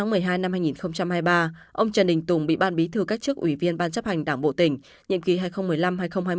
ngày một mươi hai năm hai nghìn hai mươi ba ông trần đình tùng bị ban bí thư cách chức ủy viên ban chấp hành đảng bộ tỉnh nhiệm kỳ hai nghìn một mươi năm hai nghìn hai mươi